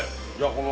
この